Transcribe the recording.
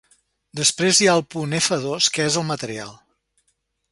Després hi ha el punt efa dos, que és el material.